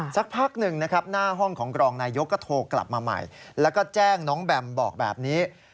สักพักหนึ่งนะครับหน้าห้องของกรองนายยกก็โทรกลับมาใหม่แล้วก็แจ้งน้องแบมบอกแบบนี้